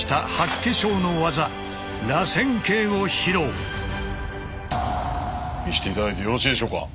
見せて頂いてよろしいでしょうか。